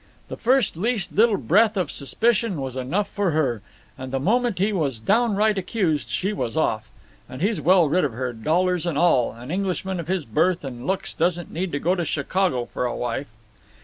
The first least little breath of suspicion was enough for her, and the moment he was downright accused she was off. And he's well rid of her, dollars and all. An Englishman of his birth and looks doesn't need to go to Chicago for a wife."